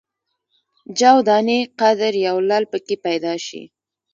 جو دانې قدر یو لعل په کې پیدا شي.